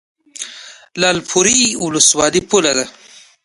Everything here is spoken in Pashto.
لعل پورې ولسوالۍ پوله ده؟